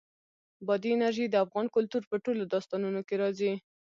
بادي انرژي د افغان کلتور په ټولو داستانونو کې راځي.